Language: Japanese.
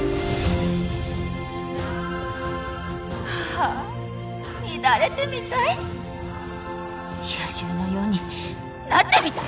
ああ乱れてみたい野獣のようになってみたい！